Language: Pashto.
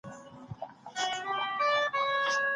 باور په ځان باندي یوه لویه بریا ده.